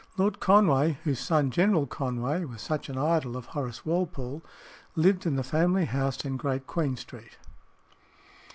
Lord Conway, whose son, General Conway, was such an idol of Horace Walpole, lived in the family house in Great Queen Street.